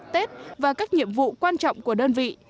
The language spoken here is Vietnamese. tết và các nhiệm vụ quan trọng của đơn vị